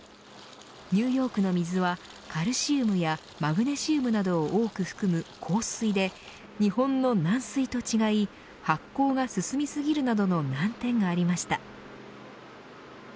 ニューヨークの水はカルシウムやマグネシウムなどを多く含む硬水で日本の軟水と違い発酵が進みすぎるなどの難点がありました。